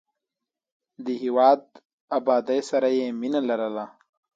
د هېواد بادۍ سره یې مینه لرله.